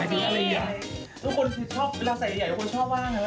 พอใส่ใหญ่คนชอบว่างแล้วใหญ่กว่า